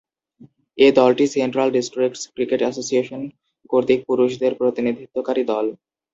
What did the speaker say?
এ দলটি Central Districts Cricket Association কর্তৃক পুরুষদের প্রতিনিধিত্বকারী দল।